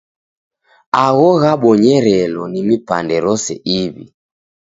Agho ghabonyerelo ni mipande rose iw'i.